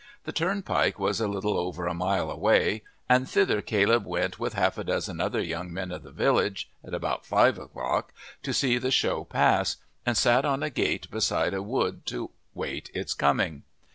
The turnpike was a little over a mile away, and thither Caleb went with half a dozen other young men of the village at about five o'clock to see the show pass, and sat on a gate beside a wood to wait its coming.